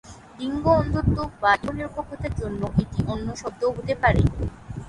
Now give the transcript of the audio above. লিঙ্গ-অন্ধত্ব বা লিঙ্গ নিরপেক্ষতার জন্য এটি অন্য শব্দও হতে পারে।